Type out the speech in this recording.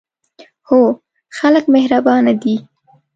هو، خلک مهربانه دي